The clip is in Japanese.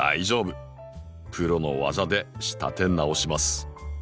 プロの技で仕立て直します。